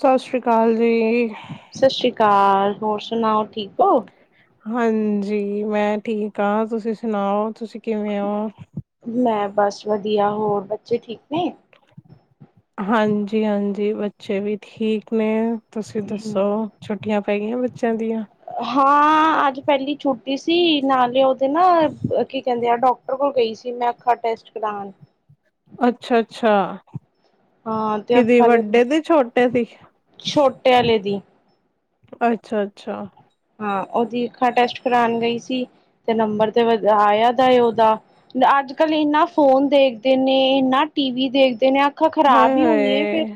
ਸਤਿ ਸ੍ਰੀ ਅਕਾਲ ਜੀ ਸਤਿ ਸ੍ਰੀ ਅਕਾਲ ਹੋਰ ਸੁਣਾਓ ਠੀਕ ਹੋ ਹਾਂਜੀ ਮੈਂ ਠੀਕ ਹਾਂ ਤੁਸੀਂ ਸੁਣਾਓ ਤੁਸੀਂ ਕਿਵੇਂ ਹੋ? ਮੈਂ ਬਸ ਵਧੀਆ ਹੋਰ ਬੱਚੇ ਠੀਕ ਨੇ। ਹਾਂਜੀ, ਹਾਂਜੀ ਬੱਚੇ ਵੀ ਠੀਕ ਨੇ। ਤੁਸੀਂ ਦੱਸੋ ਛੁਟ ਛੁੱਟੀਆਂ ਪੈ ਗਈਆਂ ਬੱਚਿ ਹਾਂ। ਅੱਜ ਪਹਿਲੀ ਛੁੱਟੀ ਸੀ, ਨਾਲੇ ਉਹ ਨਾ ਕੀ ਕਹਿੰਦੇ ਆ ਡੋਕ ਤੇ ਓਦੋਂ ਗਈ ਸੀ ਮੈਂ ਅੱਖਾਂ ਟੈਸਟ ਕਰਾਣ। ਅੱਛਾ, ਅੱਛਾ। ਹਾਂ ਤੇ ਕਿਤੇ ਅੱਖਾਂ ਦੇ ਵੱਡੇ ਤੇ ਛੋਟੇ ਸੀ। ਛੋਟੇ ਵਾਲੇ ਦੀ ਅੱਛਾ, ਅੱਛਾ। ਹਾਂ, ਉਹਦੀ ਅੱਖਾਂ ਟੈਸਟ ਕਰਾਣ ਗਈ ਸੀ ਤੇ ਨੰਬਰ ਤੇ ਵੱਧ ਆਇਆ ਦਾ ਉਹਦਾ, ਅੱਜ ਕੱਲ ਇੰਨਾ ਫੋਨ ਦੇਖਦੇ ਨੇ, ਇੰਨਾ ਟੀ ਵੀ ਦੇਖਦੇ ਨੇ ਅੱਖਾਂ ਹਾਏ ਖ਼ਰਾਬ ਹੀ ਹੁੰਦੀਆਂ ਫਿਰ ਹਾਏ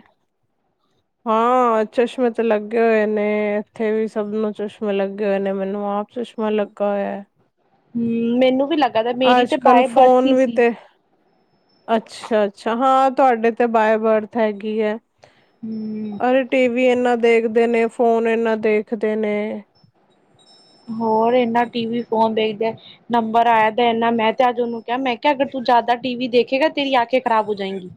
ਹਾਂ ਚਸ਼ਮੇ ਤੇ ਲੱਗੇ ਹੋਏ ਨੇ, ਇੱਥੇ ਵੀ ਸਭ ਨੂੰ ਚਸ਼ਮੇ ਲੱਗੇ ਹੋਏ ਨੇ, ਮੈਨੂੰ ਆਪ ਚਸ਼ਮਾ ਲੱਗਾ ਹੋਇਆ ਹੈ। ਹੀ ਮੈਨੂੰ ਵੀ ਲੱਗਾ ਗਾ, ਮੇਰੀ ਅੱਜ ਤੇ ਕੱਲ ਬਾਏ ਬਰਥ ਫੋਨ ਹੀ ਵੀ ਸੀ। ਤੇ ਅੱਛਾ, ਅੱਛਾ ਹਾਂ, ਤੁਹਾਡੇ ਤੇ ਬਾਏ ਬਰਥ ਹੈਗੀ ਐ। ਹਮ ਅਰੇ ਟੀ ਵੀ ਇਹਨਾਂ ਦਾ ਦੇਖਦੇ ਨੇ ਫੋਨ, ਏਨਾਂ ਦੇਖਦੇ ਨੇ ਹੋਰ ਐਨਾ ਟੀ ਵੀ ਫੋਨ ਦੇਖਦੇ, ਨੰਬਰ ਆਇਆ ਤਾਂ ਇਨਾ ਮੈਂ ਤੇ ਅੱਜ ਉਹਨੂੰ ਕਿਹਾ ਮੈਂ ਕਿਹਾ ਅਗਰ ਤੂੰ ਜ਼ਿਆਦਾ ਟੀ ਵੀ ਦੇਖਦੀ ਐਂ ਖੇਰ ਤੇਰੀ ਆਂਖੇ ਖਰਾਬ ਹੋ ਜਾਏਂਗੀ।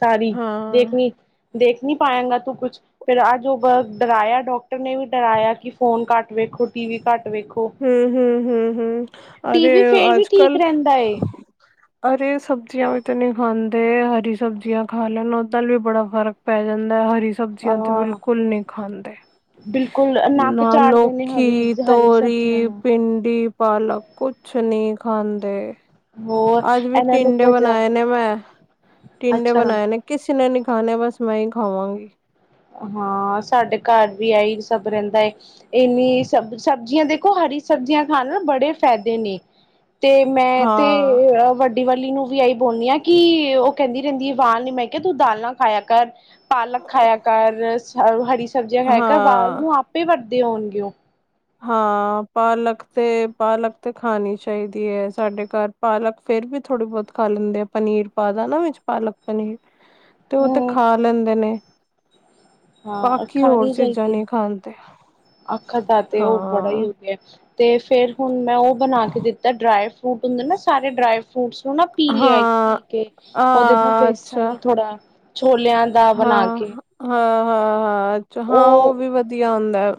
ਸਾਰੀ ਹਾਂ ਦੇਖਣੀ ਦੇਖ ਨਹੀਂ ਪਾਏਂਗਾ ਤੂੰ ਕੁੱਛ, ਫਿਰ ਅੱਜ ਉਹ ਬ ਡਰਾਇਆ ਡਾਕਟਰ ਨੇ ਵੀ ਡਰਾਇਆ, ਕੀ ਫੋਨ ਘੱਟ ਵੇਖੋ, ਟੀ ਵੀ ਘੱਟ ਹੂੰ, ਹੂੰ, ਹੂੰ, ਹੂੰ ਟੀ ਅਰੇ ਵੀ ਫੇਰ ਵੀ ਅੱਜ ਠੀਕ ਰਹਿੰਦਾ ਏ ਕੱਲ੍ਹ ਅਰੇ ਸਬਜ਼ੀਆਂ ਵੀ ਤੇ ਨਹੀਂ ਖਾਂਦੇ, ਹਰੀ ਸਬਜ਼ੀਆਂ ਖਾ ਲੈਣ, ਉਹਦੇ ਨਾਲ ਵੀ ਬੜਾ ਫਰਕ ਪੈ ਜਾਂਦਾ ਹੈ। ਹਰੀ ਸਬਜ਼ੀਆਂ ਤੇ ਹਾਂ ਬਿਲਕੁਲ ਨਹੀਂ ਖਾਂਦੇ, ਬਿਲਕੁਲ ਨੱਕ ਨਾ ਚਾੜਦੇ ਨੇ ਹਵੀ ਲੋਕੀ ਹਰੀ ਤੋਂ ਸਬਜ਼ੀਆਂ ਕੀ ਨੂੰ ਭਿੰਡੀ ਵੀ ਪਾਲਕ ਕੁਛ ਨੀ ਖਾਂਦੇ। ਹੋਰ ਅੱਜ ਵੀ ਇਹਨਾਂ ਨੂੰ ਟਿੰਡੇ ਵਜਾ ਬਣਾਏ ਨੇ ਮੈਂ, ਟਿੰਡੇ ਅੱਛਾ ਬਣਾਏ ਨੇ ਕਿਸੇ ਨੇ ਨੀ ਖਾਣੇ, ਬਸ ਮੈਂ ਹੀ ਖਾ ਖਾਵਾਂਗੀ। ਹਾਂ ਸਾਡੇ ਘਰ ਵੀ ਆਈ ਸਭ ਰਹਿੰਦਾ ਏ। ਇੰਨੀ ਸਬ ਸਬਜ਼ੀਆਂ ਦੇ ਦੇਖੋ ਹਰੀ ਸਬਜ਼ੀਆਂ ਖਾਣ ਨਾਲ਼ ਬੜੇ ਫ਼ਾਇਦੇ ਨੇ। ਤੇ ਮੈਂ ਤੇ ਹਾਂ ਓਹ ਆ ਵੱਡੀ ਵਾਲੀ ਨੂੰ ਵੀ ਆਹੀ ਬੋਲਦੀ ਆ ਕਿ ਉਹ ਕਹਿੰਦੀ ਰਹਿੰਦੀ ਵਾਲ ਨੀ, ਮੈਂ ਕਿਹਾ, ਤੂੰ ਦਾਲ ਨਾਲ ਖਾਇਆ ਕਰ। ਪਾਲਕ ਖਾਇਆ ਸਾਰੇ ਹਰੀ ਸ ਸਬਜ਼ੀਆਂ ਖਾ ਕਰ ਵਾਲ ਹਾਂ ਨੂੰ ਆਪੇ ਵੱਡ ਦੇ ਹੋਣਗੀਆਂ। ਹਾਂ ਪਾਲਕ ਤੇ ਪਾਲਕ ਤੇ ਖਾਣੀ ਚਾਹੀਦੀ ਐ, ਸਾਡੇ ਘਰ ਪਾਲਕ ਫਿਰ ਵੀ ਥੋੜ੍ਹੀ ਬਹੁਤ ਖਾ ਲੈਂਦੇ ਆ, ਪਨੀਰ ਪਾਦਾ ਨਾ ਵਿੱਚ ਪਾਲਕ ਪਨੀਰ ਤੇ ਉਹ ਤੇ ਹੂੰ। ਖਾ ਲੈਂਦੇ ਨੇ। ਹਾਂ ਬਾਕੀ ਹੋਰ ਚੀਜ਼ਾਂ ਨਹੀਂ ਖਾਂਦੇ ਅੱਛਾ ਖਦਾ ਤੇ ਹਾਂ ਉਹ ਬੜਾ ਹੀ ਹੋ ਗਿਆ ਅਤੇ ਫਿਰ ਹੁਣ ਮੈਂ ਉਹ ਬਣਾ ਕੇ ਦਿੱਤਾ ਡਰਾਈਫ ਫਰੂਟ ਹੁੰਦੇ ਨਾ ਸਾਰੇ ਡਰਾਈ ਫਰੂਟਸ ਥੋ ਨਾ ਪੀ ਲਿਆ, ਹਾਂ ਪੀ ਕੇ ਉਹਦੇ ਨਾਲ ਹਾਂ ਅੱਛਾ ਬੇਸਣ ਥੋੜਾ ਛੋਲਿਆਂ ਦਾ ਬਣਾ ਹਾਂ ਕੇ ਹਾਂ ਹਾਂ ਹਾਂ ਅੱਛਾ ਹਾਂ ਉਹ ਵੀ ਵਧੀਆ ਹੁੰਦਾ ਐ।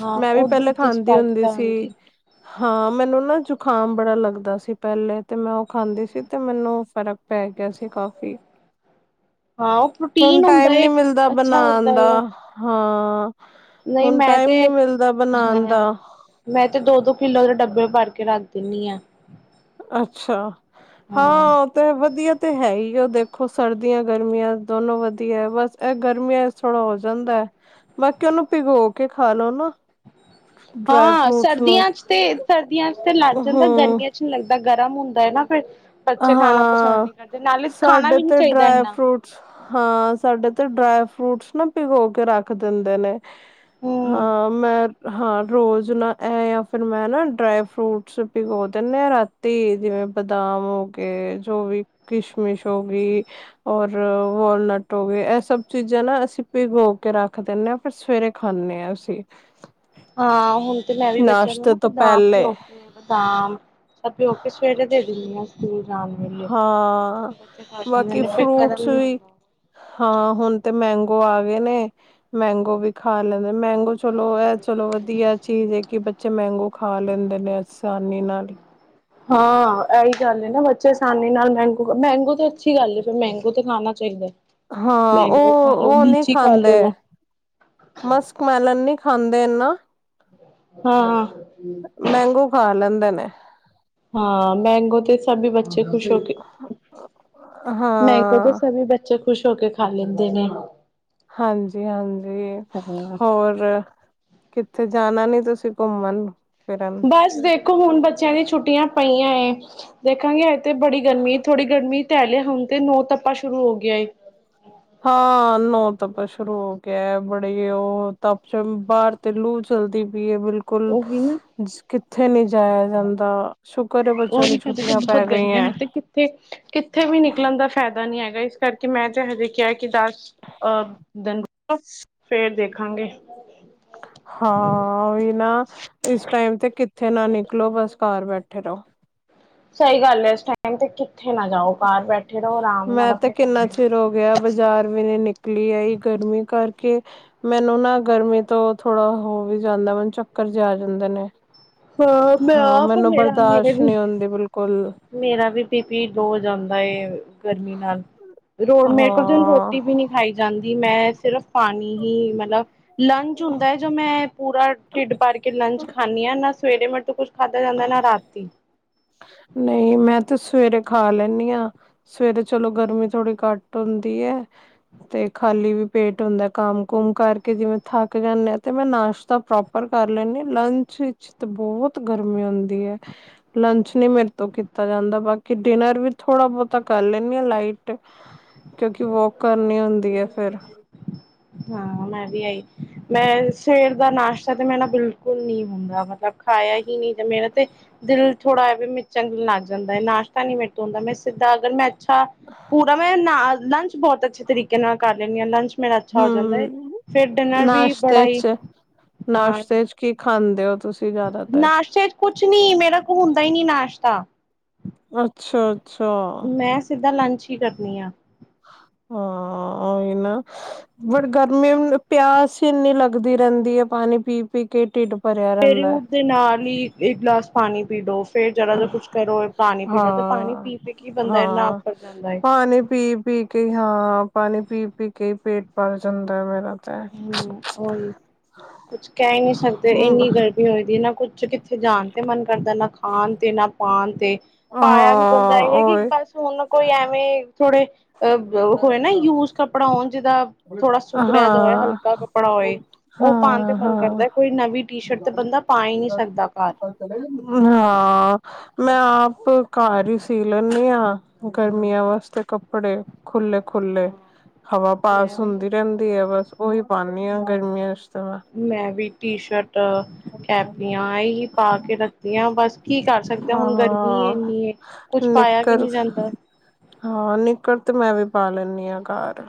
ਹਾਂ ਮੈਂ ਵੀ ਉਹ ਪਹਿਲੇ ਦੁੱਧ ਚ ਖਾਂਦੀ ਪਾ ਕੇ ਹੁੰਦੀ ਸੀ ਦਾਂਗੀ ਹਾਂ, ਮੈਨੂੰ ਨਾ ਜ਼ੁਖਾਮ ਬੜਾ ਲੱਗਦਾ ਸੀ ਪਹਿਲੇ ਤੇ ਮੈਂ ਉਹ ਖਾਂਦੀ ਸੀ ਤੇ ਮੈਨੂੰ ਫ਼ਰਕ ਪੈ ਗਿਆ ਸੀ ਕਾਫੀ। ਹਾਂ ਉਹ ਪ੍ਰੋਟੀਨ ਟਾਈਮ ਹੁੰਦਾ ਨੀ ਏ ਮਿਲਦਾ ਅੱਛਾ ਬਣਾਣ ਹੋਤਾ ਦਾ ਹੈ ਉਹ ਹਾਂ ਨਹੀਂ ਹੁਣ ਮੈਂ ਟਾਈਮ ਨੀ ਤੇ, ਮਿਲਦਾ ਹਾਂ ਬਣਾਣ ਦਾ ਮੈਂ ਤੇ ਦੋ-ਦੋ ਕਿੱਲੋ ਦੇ ਡੱਬੇ ਭਰ ਕੇ ਰੱਖ ਦਿੰਣੀ ਆਂ ਅੱਛਾ ਹਾਂ ਤੇ ਵਧੀਆ ਤੇ ਹੈ ਹੀ ਉਹ ਦੇਖੋ ਦੇਖੋ ਸਰਦੀਆਂ ਗਰਮੀਆਂ ਦੋਨੋ ਵਧੀਆ ਹੈ ਬਸ ਇਹ ਗਰਮੀਆਂ ਥੋੜ੍ਹਾ ਹੋ ਜਾਂਦਾ ਹੈ ਬਾਕੀ ਉਹਨੂੰ ਭਿਗੋ ਕੇ ਖਾ ਲੋ ਨਾ ਡਰਾਈ ਹਾਂ, ਫਰੂਟਸ ਨੂੰ ਸਰਦੀਆਂ ਚ ਤੇ ਸਰਦੀਆਂ ਚ ਤੇ ਲੱਗ ਜਾਂਦਾ ਹੂੰ ਗਰਮੀਆਂ ਚ ਨਹੀਂ ਲੱਗ ਤਾਂ ਗਰਮ ਹੁੰਦਾ ਹੈ ਨਾ ਫਿਰ ਬੱਚੇ ਖਾਣਾ ਪਸੰਦ ਹਾਂ ਨਹੀਂ ਕਰਦੇ ਨਾਲੇ ਖਾਣਾ ਸਾਡੇ ਵੀ ਨੀ ਤੇ ਚਾਹੀਦਾ ਡਰਾਏ ਇੰਨਾ ਫਰੂਟਸ ਹਾਂ ਸਾਡੇ ਤੇ ਡਰਾਏ ਫਰੂਟਸ ਨਾ ਭਿਗੋ ਕੇ ਰੱਖ ਦਿੰਦੇ ਨੇ ਹਮ ਹਾਂ ਮੈਂ ਹਾਂ, ਰੋਜ਼ ਨਾ ਇਹ ਜਾਂ ਫਿਰ ਮੈਂ ਨਾ ਡਰਾਈ ਫਰੂਟਸ ਪਿਗੋ ਦਿੰਦੇ ਹਾਂ ਰਾਤੀ ਜਿਵੇਂ ਬਦਾਮ ਜੋ ਵੀ ਕਿਸ਼ਮਿਸ਼ ਹੋ ਗਈ ਔਰ ਵਾਲਨਟ ਹੋ ਗਏ ਇਹ ਸਭ ਚੀਜ਼ਾਂ ਨਾ ਅਸੀਂ ਭਿਗ ਹੋ ਕੇ ਰੱਖ ਦਿੰਦੇ ਹਾਂ ਫਿਰ ਸਵੇਰੇ ਖਾਂਦੇ ਹਾਂ ਅਸੀਂ ਹਾਂ ਹੁਣ ਤੇ ਮੈਂ ਵੀ ਬੱਚਿਆਂ ਨੂੰ ਨਾਸ਼ਤੇ ਨਾ ਤੋਂ ਬਦਾਮ ਪਹਿਲੇ ਪਿਓਕੇ ਬਦਾਮ ਸਭ ਪਿਓ ਕੇ ਸਵੇਟਰ ਦੇ ਦਿੰਦੀ ਹਾਂ ਹਮ ਹਾਂ ਲੈਂਦੇ ਬਾਕੀ ਨੇ ਫਿਰ ਗਰਮ ਫਰੂਟਸ ਨੀ ਵੀ, ਹੁੰਦਾ ਹਾਂ ਹੁਣ ਤੇ ਮੈਂਗੋ ਔ ਆ ਗਏ ਨੇ, ਮੈਂਗੋ ਵੀ ਖਾ ਲੈ ਮੈਂਗੋ ਚਲੋ ਇਹ ਚਲੋ ਵਧੀਆ ਚੀਜ਼ ਹੈ ਕਿ ਬੱਚੇ ਮੈਂਗੋ ਖਾ ਲੈਂਦੇ ਨੇ ਆਸਾਨੀ ਨਾਲ ਹੀ ਹਾਂ ਇਹੀ ਗੱਲ ਹੈ ਨਾ ਬੱਚੇ ਆਸਾਨੀ ਨਾਲ ਮੈਂਗੋ, ਮੈਂਗੋ ਤਾਂ ਅੱਛੀ ਗੱਲ ਏ, ਮੈਂਗੋ ਤੇ ਖਾਣਾ ਚਾਹੀਦਾ। ਹਾਂ ਔ ਮੈਂਗੋ ਖਾ ਲੋ ਔ ਨਹੀਂ ਲੀਚੀ ਖਾ ਖਾਂਦੇ ਲੋ ਮਸਕ ਮੈਲਨ ਨੀ ਖਾਂਦੇ ਨਾ ਹਾਂ। ਮੈਂਗੋ ਖਾ ਲੈਂਦੇ ਨੇ। [inaudible] ਹਾਂ, ਮੈਂਗੋ ਤੇ ਸਭੀ ਬੱਚੇ ਖੁਸ਼ ਹੋ ਕੇ, ਮੈਂਗੋ ਤੇ ਹਾਂ ਸਭੀ ਬੱਚੇ ਖੁਸ਼ ਹੋ ਕੇ ਖਾ ਲੈਂਦੇ ਨੇ। ਹਾਂਜੀ ਹਾਂਜੀ, ਹਾਂ। ਹੋਰ ਕਿੱਥੇ ਜਾਣਾ ਨੀ? ਤੁਸੀਂ ਘੁੰਮਣ। ਫਿਰਨ ਬਸ ਦੇਖੋ ਹੁਣ ਬੱਚਿਆਂ ਦੀ ਛੁੱਟੀਆਂ ਪਈਆਂ ਏ ਦੇਖਾਂਗੇ ਬੜੀ ਗਰਮੀ ਥੋੜੀ ਗਰਮੀ ਹਲੇ ਹੁਣ ਤੇ ਨੋ ਤਪਾ ਸ਼ੁਰੂ ਹੋ ਗਿਆ ਏ। ਹਾਂ, ਨੋ ਤਪਾ ਸ਼ੁਰੂ ਹੋ ਗਿਆ। ਬੜੇ ਔ ਤਪ ਚ ਬਾਰ ਤੇ ਲੂ ਚਲਦੀ ਭੀ ਹੈ ਬਿਲਕੁਲ, ਉਹੀ ਨਾ ਕਿੱਥੇ ਨੀ ਜਾਇਆ ਜਾਂਦਾ ਸ਼ ਔਹੀ ਤਾਂ, ਹਜੇ ਤੇ ਬਹੁਤ ਗਰਮੀਆਂ ਹੈ ਤੇ ਕਿੱਥੇ, ਕਿੱਥੇ ਵੀ ਨਿਕਲਣ ਦਾ ਫਾਇਦਾ ਨਹੀਂ ਹੈਗਾ। ਇਸ ਕਰਕੇ ਮੈਂ ਤੇ ਹਜੇ ਕਿਹਾ ਕਿ ਦਸ ਅ ਦਿਨ ਰ ਫੇਰ ਦੇਖਾਂਗੇ। ਹਾਂ, ਔਹੀ ਨਾ ਇਸ ਟਾਈਮ ਤੇ ਕਿੱਥੇ ਨਾ ਨਿਕਲੋ ਬਸ। ਘਰ ਬੈਠੇ ਰਹੋ। ਸਹੀ ਗੱਲ ਏ ਇਸ ਟਾਈਮ ਤੇ ਕਿੱਥੇ ਨਾ ਜਾਓ ਬਾਹਰ ਬੈਠੇ ਰਹੋ ਆਰਾਮ ਨਾਲ ਮੈਂ ਤੇ ਆਪਣੇ ਕਿੰਨਾ ਕਮਰੇ। ਚਿਰ ਹੋ ਗਿਆ ਬਾਜ਼ਾਰ ਵੀ ਨਹੀਂ ਨਿਕਲੀ ਏਹੀ ਗਰਮੀ ਕਰਕੇ। ਮੈਨੂੰ ਨਾ ਗਰਮੀ ਤੋਂ ਥੋੜਾ ਹੋ ਵੀ ਜਾਂਦਾ ਮੈਨੂੰ ਚੱਕਰ ਜੇ ਆ ਜਾਂਦੇ ਨੇ। ਹਾਂ, ਮੈਂ ਆਪ ਮੈਨੂੰ ਮੇਰਾ ਮੇਰੇ ਬਰਦਾਸ਼ਤ ਵੀ, ਨਹੀਂ ਹੁੰਦੀ ਬਿਲਕੁਲ ਮੇਰਾ ਵੀ। ਬੀ ਪੀ ਲੋ ਹੋ ਜਾਂਦਾ ਏ ਗਰਮੀ ਨਾਲ। ਰੋ ਮੇਰੇ ਕੋਲ ਹਾਂ ਰੋਟੀ ਵੀ ਨਹੀਂ ਖਾਈ ਜਾਂਦੀ। ਜੀ ਮੈਂ ਸਿਰਫ ਪਾਣੀ ਹੀ ਮਤਲਬ ਲੰਚ ਹੁੰਦਾ ਹੈ ਜੋ ਮੈਂ ਪੂਰਾ ਢਿੱਡ ਭਰ ਕੇ ਲੰਚ ਖਾਨੀ ਹਾਂ ਨਾ ਸਵੇਰੇ ਮੇਰੇ ਤੋਹ ਕੁਛ ਖਾਧਾ ਜਾਂਦਾ ਨਾ ਰਾਤੀ। ਨਹੀਂ ਮੈਂ ਤੇ ਸਵੇਰੇ ਖਾ ਲੈਣੀ ਆ ਸਵੇਰੇ ਚਲੋ ਗਰਮੀ ਥੋੜੀ ਘੱਟ ਹੁੰਦੀ ਹੈ। ਤੇ ਖਾਲੀ ਵੀ ਪੇਟ ਹੁੰਦਾ, ਕੰਮ ਕੁਮ ਕਰਕੇ ਜਿਵੇਂ ਥੱਕ ਜਾਣੇ ਆ ਤੇ ਮੈਂ ਨਾਸ਼ਤਾ ਪ੍ਰੋਪਰ ਕਰ ਲੈਦੀ। ਲੰਚ ਵਿੱਚ ਤੇ ਬਹੁਤ ਗਰਮੀ ਹੁੰਦੀ ਹੈ। ਲੰਚ ਨੀ ਮੇਰੇ ਤੋਂ ਕੀਤਾ ਜਾਂਦਾ ਬਾਕੀ ਡਿਨਰ ਵੀ ਥੋੜਾ ਬਹੁਤਾ ਕਰ ਲੈਂਦੀ ਆ ਲਾਈਟ। ਕਿਉਂਕਿ ਵੋਕ ਕਰਨੀ ਹੁੰਦੀ ਹੈ ਫੇਰ ਹਾਂ ਮੈਂ ਵੀ ਆਈ। ਮੈਂ, ਸਵੇਰ ਦਾ ਨਾਸ਼ਤਾ ਤਾ ਮੈਂ ਨਾ ਬਿਲਕੁਲ ਨੀ ਹੁੰਦਾ। ਮਤਲਬ ਖਾਇਆ ਹੀ ਨਹੀਂ ਮੇਰਾ ਤੇ ਦਿਲ ਥੋੜ੍ਹਾ ਐਵੇਂ ਮਚਲਣ ਲੱਗ ਜਾਂਦਾ ਨਾਸ਼ਤਾ ਨੀ ਮੇਰੇ ਤੋਂ ਹੁੰਦਾ। ਮੈਂ ਸਿੱਧਾ ਅਗਰ ਮੈਂ ਅੱਛਾ ਪੂਰਾ ਮੈਂ ਨਾ ਲੰਚ ਬਹੁਤ ਅੱਛੇ ਤਰੀਕੇ ਨਾਲ ਕਰ ਫੇਰ ਮੈਂ ਲੰਚ ਮੇਂ ਹੂੰ, ਬੜਾ ਨਾਸਤੇ ਹੀ ਹਾਂ ਚ-ਨਾਸਤੇ ਚ ਕੀ ਖਾਂਦੇ ਦ [unintelligible] ਤੁਸੀਂ ਜ਼ਿਆਦਾਤਰ ਨਾਸ਼ਤੇ ਚ ਕੁਛ ਨੀ, ਮੇਰਾ ਕੋਲੋਂ ਹੁੰਦਾ ਈ ਨੀ ਨਾਸ਼ਤਾ। ਅੱਛਾ-ਅੱਛਾ। ਸਿੱਧਾ ਮੈਂ ਲੰਚ ਹੀ ਕਰਦੀ ਆਂ। ਹਾਂ ਉਹੀਓ, ਫੇਰ ਗਰਮੀ ਇੰਨੀ, ਪਿਆਸ ਇੰਨੀ ਲੱਗਦੀ ਰਹਿੰਦੀ ਹੈ। ਪਾਣੀ ਪੀ-ਪੀ ਕੇ ਢਿੱਡ ਭਰਿਆ ਸਵੇਰੇ ਰਹਿੰਦਾ ਹੈ ਉੱਠਦੇ ਨਾਲ ਹੀ ਇੱਕ ਗਲਾਸ ਪਾਣੀ ਦੀ ਡੋਸ ਫਿਰ ਜਰਾ ਜਾ ਕੁੱਛ ਕਰੋ, ਪਾਣੀ ਪੀ ਲਓ ਤੇ ਪਾਣੀ ਹਾਂ ਪੀ-ਪੀ ਕੇ ਹੀ ਬੰਦਾ ਏਨਾ ਹਾਂ ਆਫਰ ਜਾਂਦਾ ਹੈ। ਪਾਣੀ ਪੀ ਪੀ ਕੇ ਹਾਂ, ਪਾਣੀ ਪੀ-ਪੀ ਕੇ ਹੀ ਪੇਟ ਭਰ ਜਾਂਦਾ ਹੈ ਮੇਰਾ। ਹਮਮ ਉਹੀ, ਕੁਛ ਕਹਿ ਹੀ ਨੀ ਸਕਦੇ। ਹਾਂ ਇੰਨੀ ਗਰਮੀ ਹੁੰਦੀ ਨਾ ਕੁਛ ਚ ਕਿੱਥੇ ਜਾਣ ਤੇ ਮਨ ਕਰਦਾ ਨਾ ਖਾਣ ਤੇ ਨਾ ਪਾਣ ਤੇ। ਪਾਇਆ ਵੀ ਬੰਦਾ ਹਾਂ ਇਹ ਹੈ ਕਿ ਓਏ ਬਸ ਹੁਣ ਕੋਈ ਐਵੇਂ ਥੋੜੇ ਅ [unintelligible] ਹੋਏ ਨਾ ਯੂਜ ਕੱਪੜਾ, ਉਂਝ ਦਾ ਹਾਂ ਹਾਂ, ਹੋਏ ਉਹ ਪਾਣ ਤੇ ਹਾਂ, ਮਨ ਕਰਦਾ ਕੋਈ ਨਵੀਂ ਟੀ ਸ਼ਰਟ ਤੇ ਬੰਦਾ ਪਾ ਹੀ ਨਹੀਂ ਸਕਦਾ ਘਰ ਹਾਂ ਮੈਂ ਆਪ ਘਰ ਹੀ ਸੀ ਲੈਂਨੀ ਹਾਂ, ਗਰਮੀਆਂ ਵਾਸਤੇ ਕੱਪੜੇ। ਖੁੱਲੇ-ਖੁੱਲੇ, ਹਵਾ ਮੈਂ ਪਾਸ ਵੀ ਹੁੰਦੀ ਰਹਿੰਦੀ ਹੈ, ਬਸ। ਉਹੀ ਪਾਉਂਦੀ ਹਾਂ, ਗਰਮੀਆਂ ਚ ਮੈਂ ਵੀ ਟੀ - ਸ਼ਰਟ, ਕੈਪਰੀਆਂ, ਇਹੀ ਪਾ ਕੇ ਰੱਖਦੀ ਹਾਂ ਬਸ ਕੀ ਕਰ ਸਕਦੇ ਹਾਂ। ਹੁਣ ਗਰਮੀ ਇੰਨੀ ਕੁਛ ਪਾਇਆ ਵੀ ਨਿੱਕਰ ਨਹੀਂ ਜਾਂਦਾ। ਹਾਂ ਨਿੱਕਰ ਤੇ ਮੈਂ ਵੀ ਪਾ ਲੈਂਦੀ ਹਾਂ, ਘਰ।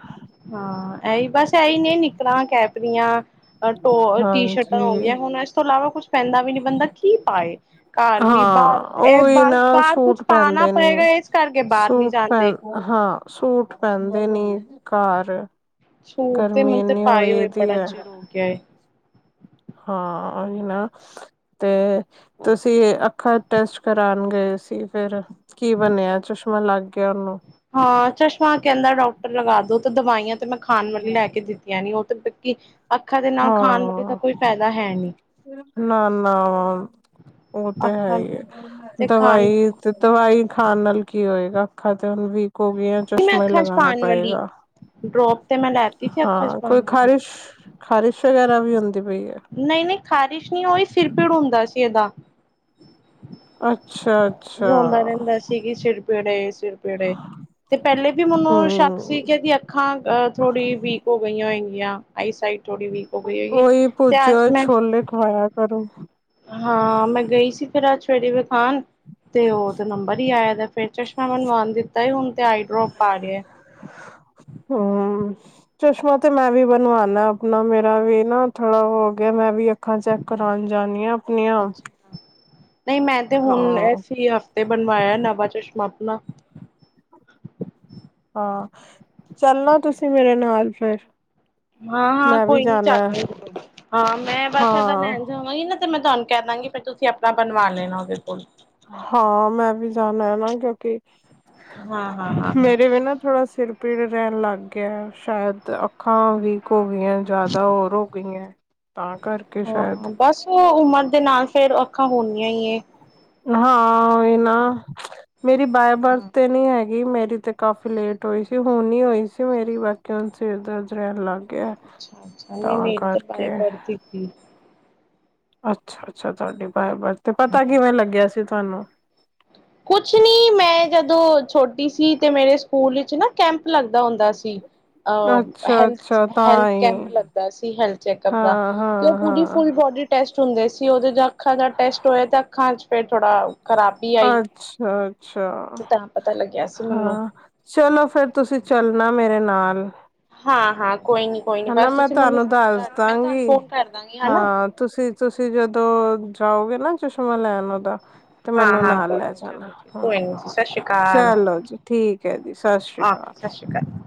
ਹਾਂ, ਇਹੀ ਬਸ, ਇਹੀ ਨੇ ਨਿੱਕਰਾਂ, ਕੈਪਰੀਆਂ। ਐ ਟੋ ਟੀ - ਸ਼ਰਟਾਂ ਹੋ ਹਾਂਜੀ ਗਈਆਂ ਹੁਣ, ਇਸ ਤੋਂ ਇਲਾਵਾ ਕੁਛ ਪੈਂਦਾ ਵੀ ਨੀ, ਬੰਦਾ ਕੀ ਪਾਵੇ? ਘਰ ਵੀ, ਹਾਂ ਬਾਹਰ ਇਹ ਉਹੀ ਬਾਹਰ, ਨਾ ਬਾਹਰ ਕੁਛ ਸੂਟ ਪਾਣਾ ਪੈਂਦੇ ਪਏਗਾ ਨੀ ਇਸ ਕਰਕੇ ਬਾਹਰ ਨੀ ਸੂਟ ਪੈਂ ਜਾਂਦੇ। ਹਾਂ ਸੂਟ ਪੈਂਦੇ ਨੀ ਘਰ ਸੂਰ ਦੇ ਗਰਮੀ ਮੁ ਤੇ ਇੰਨੀ ਪਾਏ ਹੋਈ ਹੋਏ ਦੀ ਬੜਾ ਹੈ ਚਿਰ ਹੋ ਗਿਆ ਏ ਹਾਂ ਹੀ ਨਾ ਤੇ ਤੁਸੀਂ ਅੱਖਾਂ ਟੈਸਟ ਕਰਉਣ ਗਏ ਸੀ ਫਿਰ ਕੀ ਬਣਿਆ ਚਸ਼ਮਾ ਲੱਗ ਗਿਆ ਉਹਨੂੰ ਹਾਂ ਚਸ਼ਮਾ ਕੇ ਅੰਦਰ ਡਾਕਟਰ ਲਗਾ ਦੋ ਦਵਾਈਆਂ ਤੇ ਮੈਂ ਖਾਣ ਵਾਲੀ ਲੈ ਕੇ ਦਿੱਤੀਆਂ ਨੀ ਉਹ ਬੱਕੀ ਹਾਂ ਨੀ ਨਾ ਨਾ ਉਹ ਤੇ ਹੈ ਅੱਖਾਂ ਹੀ ਹੈ ਦਾ ਤੇ ਖਾਣ ਦਵਾਈ ਵਾਲੀ ਤੇ ਦਵਾਈ ਖਾਣ ਨਾਲ ਕੀ ਹੋਏਗਾ ਅੱਖਾਂ ਤੇ ਹੁਣ ਵੀ ਕੋ ਵੀਆਂ ਮੈਂ ਚਸ਼ਮਾ ਅੱਖਾਂ ਚ ਲਗਾਨਾ ਪਾਣ ਵਾਲੀ ਪਏਗਾ ਡਰੋਪ ਤੇ ਮੈਂ ਲੈਤੀ ਸੀ ਅੱਖਾਂ ਚ ਹਾਂ ਕੋਈ ਪਾਣ ਵਾਲੀ ਖ਼ਾਰਿਸ਼ ਖ਼ਾਰਿਸ਼ ਵਗੈਰਾ ਵੀ ਹੁੰਦੀ ਪਈ ਹੈ ਨਹੀਂ ਨਹੀਂ ਖ਼ਾਰਿਸ਼ ਨਹੀਂ ਹੋਈ ਫਿਰ ਭੀੜ ਹੁੰਦਾ ਸੀ ਇਹਦਾ ਅੱਛਾ ਅੱਛਾ ਪੜੇ ਸਿਰ ਪੀੜੇ ਤੇ ਪਹਿਲੇ ਵੀ ਮੈਨੂੰ ਸ਼ੱਕ ਸੀ ਹਮ ਕਿ ਇਹਦੀ ਅੱਖਾਂ ਅਹ ਥੋੜ੍ਹੀ ਵੀਕ ਹੋ ਗਈਆਂ ਹੋਏਗੀਆਂ ਜਾਂ ਆਈ ਸਾਈਟ ਥੋੜੀ ਵੀਕ ਹੋ ਗਈ ਹੈਗੀ ਉਹੀ ਛੋਲੇ ਖੁਵਾਇਆ ਕਰ [unintelligible] ਹਾਂ ਮੈਂ ਗਈ ਸੀ ਫਿਰ ਅੱਜ ਫੇਰੇ ਵਿਖਾਨ ਤੇ ਉਹਦ ਨੰਬਰ ਹੀ ਆਇ ਦਾ ਫਿਰ ਚਸ਼ਮਾ ਮਨਵਾਉਣ ਦਿੱਤਾ ਹੁਣ ਤੇ ਆਈਡਰੋਪ ਪਾੜ ਹੈ ਹਮ ਚਸ਼ਮਾ ਤੇ ਮੈਂ ਵੀ ਬਣਵਾਨਾ ਆਪਣਾ ਮੇਰਾ ਵੀ ਨਾ ਥੋੜਾ ਉਹ ਹੋ ਗਿਆ ਮੈਂ ਵੀ ਅੱਖਾਂ ਚੈੱਕ ਕਰਉਣ ਜਾਣੀ ਆਾਂ ਅੱਛਾ ਨਹੀਂ ਮੈਂ ਤੇ ਹੁਣ ਹਾਂ ਐ ਹਫ਼ਤੇ ਬਣਵਾਇਆ ਨਵਾਂ ਚਸ਼ਮਾ ਨਾ ਹਾਂ ਚੱਲਣਾ ਤੁਸੀਂ ਮੇਰੇ ਨਾਲ ਫਿਰ ਹਾਂ ਹਾਂ ਮੈਂ ਵੀ ਕੋਈ ਨੀ ਜਾਣਾ ਹੈ। ਚੱਲਾਂਗੀ ਹਾਂ ਮੈਂ ਬਸ ਏਦਾਂ ਹਾਂ ਲੈਣ ਜਾਵਾਂਗੀ ਨਾ ਤੇ ਮੈਂ ਤੁਹਾਨੂੰ ਕਹਿ ਦਾਂਗੀ ਵੀ ਤੁਸੀਂ ਆਪਣਾ ਬਣਵਾ ਲੈਣਾ ਉਹਦੇਿਲ ਕੋੁਲ ਹਾਂ ਮੈਂ ਵੀ ਜਾਣਾ ਨਾ ਕਿਉਂਕਿ ਹਾਂ-ਹਾਂ-ਹਾਂ-ਹਾਂ। ਮੇਰੇ ਵੀ ਨਾ ਥੋੜਾ ਸਿਰ ਪਿਰ ਰੈਨ ਲੱਗ ਗਿਐ ਸ਼ਾਇਦ ਅੱ ਖਾਂ ਵੀਕ ਹੋ ਗਈਐ ਜਾਦਾ ਹੋਰ ਹੋ ਗਈਐਂ ਤਾਂ ਕਰਕੇ ਸ਼ਾਇਦ ਹਾਂ ਬਸ ਉਹ ਉਮਰ ਦੇ ਨਾਲ ਫੇਰ ਅੱਖਾਂ ਹੋਣੀਆਂ ਈ ਨੇ। ਹਾਂ ਏਨਾ ਮੇਰੀ ਬਾਏ ਬਰਥ ਹਾਂ। ਤੇ ਨੀ ਹੈਗ ਨੀ ਮੇਰੀ ਤੇ ਕਾਫ਼ੀ ਲੇਟ ਹੋਈ ਸੀ ਹੁਣ ਈ ਹੋਈ ਸੀ ਮੇਰੀ ਬਾਕੀ ਹੁਣ ਸੇਰ ਦਰਦ ਰਹਿਣ ਲੱਗ ਗਿਆ ਅੱਛਾ-ਅੱਛਾ, ਨਈ ਤਾਂ ਮੇਰੀ ਤ ਬਾਏ ਕਰਕੇ ਬਰਥ ਈ, ਹੂੰ ਅੱਛਾ-ਅੱਛਾ ਤੁਆਡੇ ਬਾਰ-ਬਾਰ ਤੇ ਪਤਾ ਹੂੰ। ਕਿਵੇਂ ਲੱਗਿਆ ਸੀ ਤਾਨੂੰ? ਕੁਛ ਨੀ ਮੈਂ ਜਦੋਂ ਛੋਟੀ ਸੀ ਤੇ ਮੇਰੇ ਸਕੂਲ ਵਿੱਚ ਨਾ ਕੈਂਪ ਲੱਗਦਾ ਹੁੰਦਾ ਸੀ। ਅ, ਅੱਛਾ ਹੈਲਥ, ਅੱਛਾ ਹੈਲਥ ਤਾਂ ਕੈਂਪ ਹੀ ਲੱਗਦਾ ਸੀ ਹੈਲਥ ਚੈਕਅਪ ਦਾ ਹਾਂ ਤੇ ਉਹ ਹਾਂ ਪੂਰੀ ਹਾਂ ਫੁਲ ਬੋਡੀ ਟੈਸਟ ਹੁੰਦੇ ਸੀ ਔਹਦੋਂ ਜਾ ਅੱਖਾਂ ਦਾ ਟੈਸਟ ਹੋਇਆ ਤਾਂ ਅੱਖਾਂ ਚ ਫੇਰ ਥੋੜਾ ਖਰਾ ਅੱਛਾ ਅੱਛਾ। ਤਾਂ ਪਤਾ ਲੱਗਿਆ ਸੀ ਮੈਨੂੰ। ਹਾਂ, ਚਲੋ ਫੇਰ ਤੁਸੀ ਚੱਲਣਾ ਮੇਰੇ ਨਾਲ ਹਾਂ-ਹਾਂ। ਹੈਨਾ ਮੈਂ ਤੁਆਨੂੰ ਦੱਸ ਮੈਂ ਤੁਹਾਨੂੰ ਦਾਂਗੀ ਫੋਨ ਕਰ ਦਾਂਗੀ ਹਨਾ। ਹਾਂ ਤੁਸੀ, ਤੁਸੀ ਜਦੋਂ ਆਔਗੇ ਨਾ। ਚਸ਼ਮਾ ਲੈਨਾ ਔਦਾ ਤੇ ਹਾਂ ਮੈਨੂੰ ਹਾਂ ਨਾਲ ਕੋਈ ਲੈ ਨੀ ਜਾਣਾ, ਚਲੋ ਜੀ ਕੋਈ ਹੂੰ। ਨੀ ਜੀ ਸਤਿ ਸ਼੍ਰੀ ਅਕਾਲ ਚਲੋ ਜੀ, ਠੀਕ ਐ ਜੀ। ਸਤਿ ਸ੍ਰੀ ਓਕੇ ਸਤਿ ਸ਼੍ਰੀ ਅਕਾਲ। ਕਾਲ।